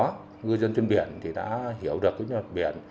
người dân trên biển đã hiểu được những loạt biển